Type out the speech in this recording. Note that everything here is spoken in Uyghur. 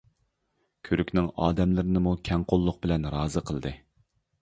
كۈرۈكنىڭ ئادەملىرىنىمۇ كەڭ قوللۇق بىلەن رازى قىلدى.